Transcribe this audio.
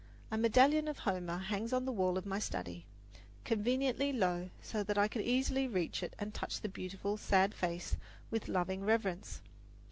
A medallion of Homer hangs on the wall of my study, conveniently low, so that I can easily reach it and touch the beautiful, sad face with loving reverence.